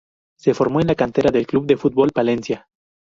Se formó en la cantera del Club de Fútbol Palencia.